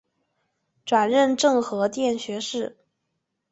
转任政和殿学士。